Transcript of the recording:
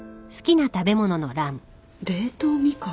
冷凍みかん。